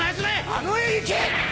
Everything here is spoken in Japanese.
あの世へ行け！